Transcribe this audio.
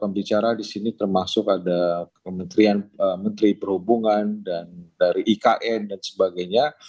pembicara di sini termasuk ada kementerian menteri perhubungan dan dari ikn dan sebagainya